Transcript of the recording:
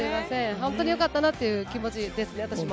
本当によかったなという気持ちですね、私も。